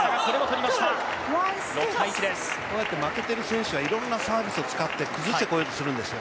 こうやって負けている選手はいろんなサービスを使って崩してこようとするんですよ。